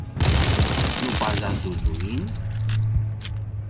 nu pazazuljuin